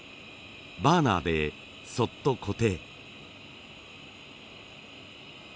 バーナーでそっと固定。